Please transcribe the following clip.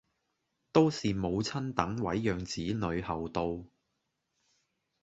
都是母親等位讓子女後到